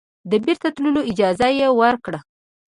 د بیرته تللو اجازه یې ورکړه.